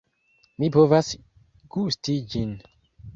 Mi povas gusti ĝin.